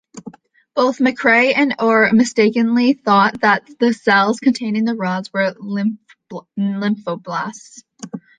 Both McCrae and Auer mistakenly thought that the cells containing the rods were lymphoblasts.